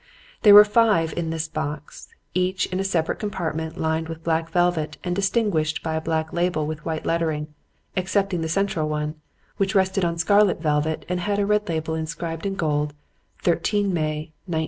There were five in this box, each in a separate compartment lined with black velvet and distinguished by a black label with white lettering; excepting the central one, which rested on scarlet velvet and had a red label inscribed in gold "13th May, 1909."